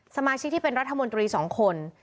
สมาชิกที่เป็นรัฐมนตรี๒คน